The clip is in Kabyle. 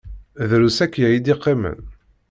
Drus akya i d-iqqimen.